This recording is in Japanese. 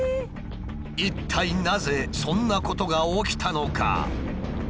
一体なぜそんなことが起きたのか？